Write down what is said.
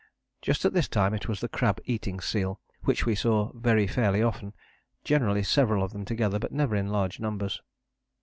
Just at this time it was the crab eating seal which we saw very fairly often, generally several of them together, but never in large numbers.